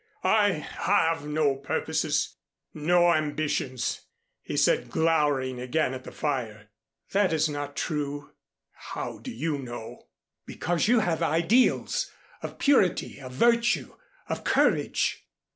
I have no purposes no ambitions," he said glowering again at the fire. "That is not true." "How do you know?" "Because you have ideals of purity, of virtue, of courage."